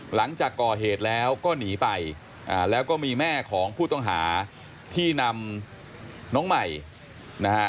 หลังจากก่อเหตุแล้วก็หนีไปแล้วก็มีแม่ของผู้ต้องหาที่นำน้องใหม่นะฮะ